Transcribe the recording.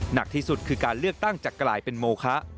หนักที่สุดคือการเลือกตั้งจะกลายเป็นโมคะ